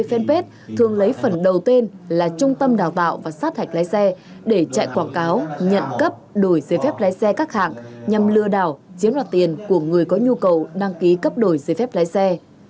fanpage thường lấy phần đầu tiên là trung tâm đào tạo và sát hạch lái xe để chạy quảng cáo nhận cấp đổi giấy phép lái xe các hạng nhằm lừa đảo chiếm đoạt tiền của người có nhu cầu đăng ký cấp đổi giấy phép lái xe